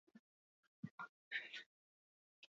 Ea behingoz alde egiten duzun!